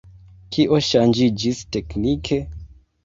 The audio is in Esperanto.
Kio ŝanĝiĝis teknike?